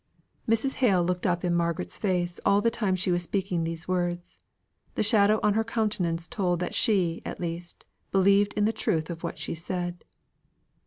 Mrs. Hale looked up in Margaret's face all the time she was speaking these words: the shadow on her countenance told that she, at least, believed in the truth of what she said.